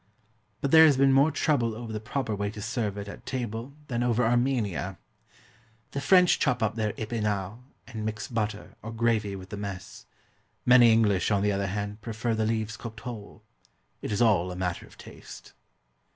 But there has been more trouble over the proper way to serve it at table than over Armenia. The French chop up their épinards and mix butter, or gravy, with the mess. Many English, on the other hand, prefer the leaves cooked whole. It is all a matter of taste.